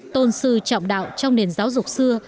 tôn sư trọng đạo trong nền giáo dục xưa